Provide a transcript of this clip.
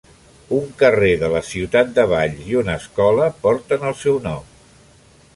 Un carrer de la ciutat de Valls i una escola porten el seu nom.